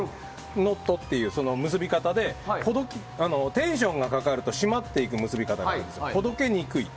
ノットという結び方でテンションがかかるとしまっていく結び方でほどけにくいんです。